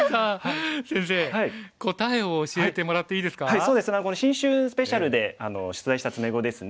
そうですねこれ新春スペシャルで出題した詰碁ですね。